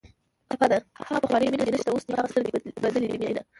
ټپه ده: ها پخوانۍ مینه دې نشته اوس دې هغه سترګې بدلې دي مینه